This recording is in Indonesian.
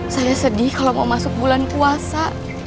saya sedih kalau mau masuk bulan puasa